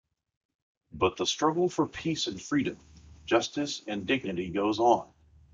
But the struggle for peace and freedom, justice and dignity goes on.